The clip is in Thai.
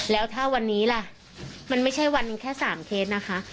แล้วถ้าวันนี้ล่ะมันไม่ใช่วันหนึ่งแค่๓เคสนะคะ